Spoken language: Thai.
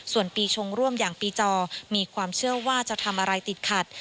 ส่วนปีชงร่วมอย่างปีจอมีความเชื่อว่าจะทำอะไรติดขัด